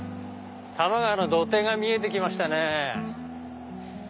多摩川の土手が見えて来ましたね。